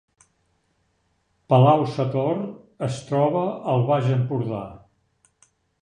Palau-sator es troba al Baix Empordà